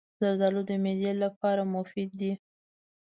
زردالو د معدې لپاره مفید دی.